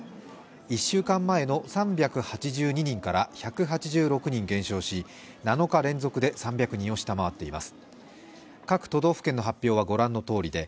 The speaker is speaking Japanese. １週間前の３８２人から１８６人減少し７日連続で３００人を下回っています。